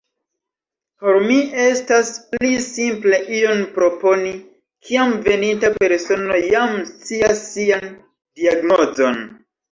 Por mi estas pli simple ion proponi, kiam veninta persono jam scias sian diagnozon.